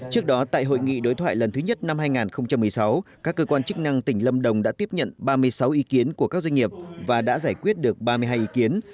trước đó tại hội nghị đối thoại lần thứ nhất năm hai nghìn một mươi sáu các cơ quan chức năng tỉnh lâm đồng đã tiếp nhận ba mươi sáu ý kiến của các doanh nghiệp và đã giải quyết được ba mươi hai ý kiến